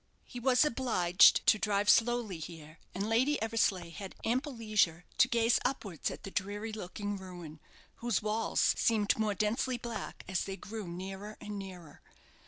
He was obliged to drive slowly here, and Lady Eversleigh had ample leisure to gaze upwards at the dreary looking ruin, whose walls seemed more densely black as they grew nearer and nearer.